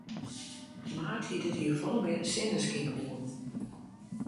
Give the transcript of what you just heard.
Maart hie dit jier folle mear sinneskynoeren.